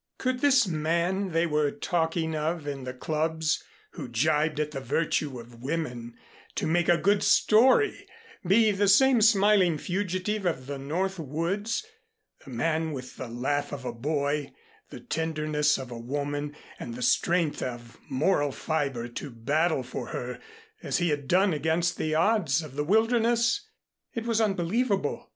Could this man they were talking of in the clubs who gibed at the virtue of women to make a good story, be the same smiling fugitive of the north woods, the man with the laugh of a boy, the tenderness of a woman and the strength of moral fiber to battle for her as he had done against the odds of the wilderness? It was unbelievable.